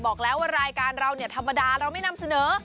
บอกแล้วว่ารายการเราเนี่ยธรรมดาเราไม่นำเสนอ